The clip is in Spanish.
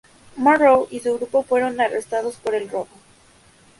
Marrow y su grupo fueron arrestados por el robo.